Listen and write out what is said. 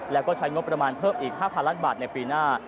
แล้วก็ใช้งบประมาณเพิ่มอีก๕๐๐ล้านบาทในปีหน้า